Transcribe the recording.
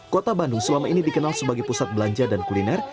kota bandung selama ini dikenal sebagai pusat belanja dan kuliner